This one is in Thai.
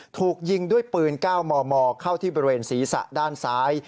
ถูกยิงด้วยปืน๙มมเข้าที่บริเวณศีรษะด้านซ้าย